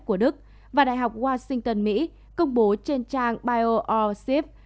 của đức và đại học washington mỹ công bố trên trang bioreap